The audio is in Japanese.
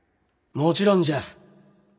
もちろんじゃ。